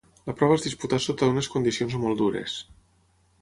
La prova es disputà sota unes condicions molt dures.